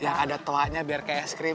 yang ada toahnya biar kayak es krim